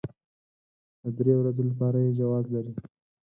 د درې ورځو لپاره يې جواز لري.